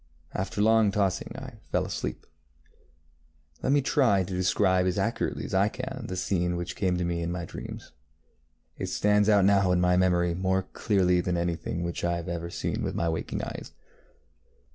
After long tossing I fell asleep. Let me try to describe as accurately as I can the scene which came to me in my dreams. It stands out now in my memory more clearly than anything which I have seen with my waking eyes.